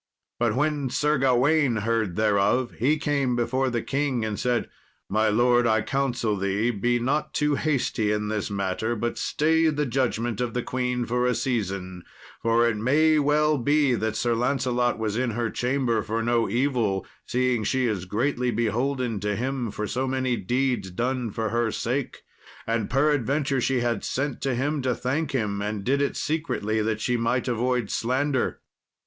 But when Sir Gawain heard thereof, he came before the king, and said, "My lord, I counsel thee be not too hasty in this matter, but stay the judgment of the queen a season, for it may well be that Sir Lancelot was in her chamber for no evil, seeing she is greatly beholden to him for so many deeds done for her sake, and peradventure she had sent to him to thank him, and did it secretly that she might avoid slander."